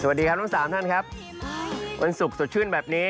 สวัสดีครับทั้งสามท่านครับวันศุกร์สดชื่นแบบนี้